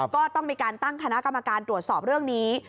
ก็ต้องมีการตั้งคณะกรรมการตรวจสอบเรื่องนี้